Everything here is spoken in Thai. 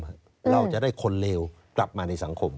เราจะได้คนเลวกลับมาในสังคม